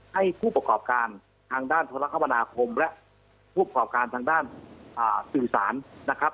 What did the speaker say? ให้ผู้ประกอบการทางด้านโทรคมนาคมและผู้ประกอบการทางด้านสื่อสารนะครับ